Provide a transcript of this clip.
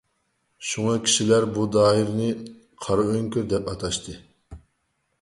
شۇڭا كىشىلەر بۇ دائىرىنى «قارا ئۆڭكۈر» دەپ ئاتاشتى.